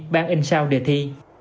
ban in sao đề thi